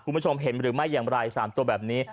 คุณผู้ชมเห็นหรือไม่อย่างไร๓ตัวแบบนี้